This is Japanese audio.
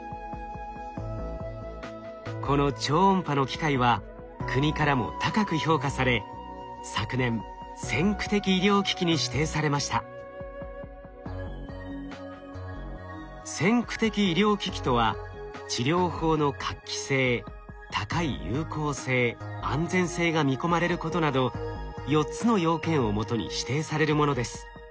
この超音波の機械は国からも高く評価され先駆的医療機器とは治療法の画期性高い有効性・安全性が見込まれることなど４つの要件をもとに指定されるものです。